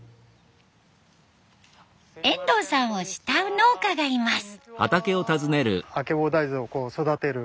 遠藤さんを慕う農家がいます。